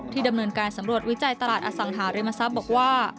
ดำเนินการสำรวจวิจัยตลาดอสังหาริมทรัพย์บอกว่า